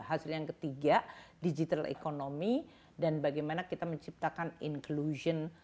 hasil yang ketiga digital economy dan bagaimana kita menciptakan inclusion